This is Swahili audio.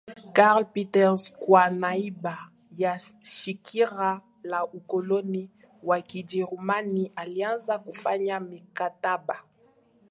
Karl Peters kwa niaba ya Shirika la Ukoloni wa Kijerumani alianza kufanya mikataba